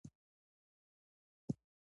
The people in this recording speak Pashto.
پېغلې او مېرمنې په جګړه کې شاملي وې.